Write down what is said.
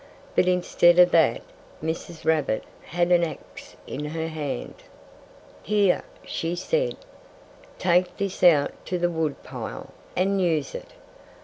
But instead of that, Mrs. Rabbit had an axe in her hand. "Here!" she said. "Take this out to the wood pile and use it!